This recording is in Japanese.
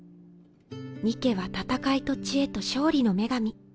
ニケは戦いと知恵と勝利の女神。